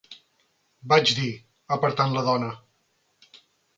vaig dir, apartant la dona.